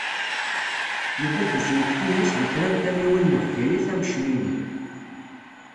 Yella-d usmekti-ines deg kra n tamiwin n Bgayet am Cmini.